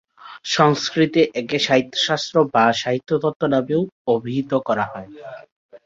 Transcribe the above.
সংস্কৃতে একে সাহিত্যশাস্ত্র বা সাহিত্যতত্ত্ব নামেও অভিহিত করা হয়।